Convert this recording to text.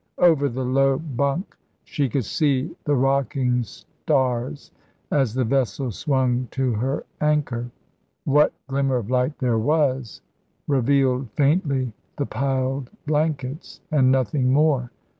Over the low bunk she could see the rocking stars as the vessel swung to her anchor. What glimmer of light there was revealed faintly the piled blankets, and nothing more.